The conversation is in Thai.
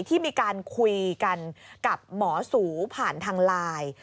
ที่มีการคุยกันกับหมอสูผ่านทางไลน์